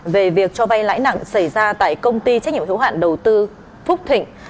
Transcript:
về việc cho vai lãi nặng xảy ra tại công ty trách nhiệm hiếu hạn đầu tư phúc thịnh